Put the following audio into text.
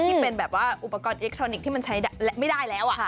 ที่เป็นแบบว่าอุปกรณ์อิเล็กทรอนิกส์ที่มันใช้ไม่ได้แล้ว